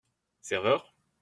Serveur !